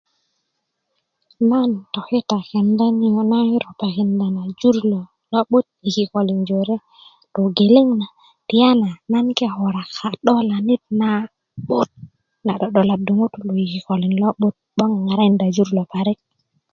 nan tokitá kendá niyó na i rotakindá na jur ló i kikolin lo'but i kikolin joré togeleng na tiyaná na ké wörá ka'dolani na 'but na 'do'dolandú ŋutú i kikolin ló 'but 'boŋ um ŋarakin jur lo parik